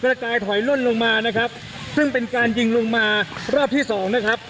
กระจายถอยล่นลงมานะครับซึ่งเป็นการยิงลงมารอบที่สองนะครับ